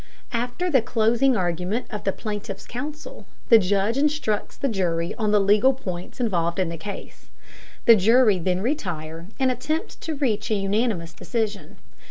After the closing argument of the plaintiff's counsel, the judge instructs the jury on the legal points involved in the case. The jury then retire and attempt to reach an unanimous decision.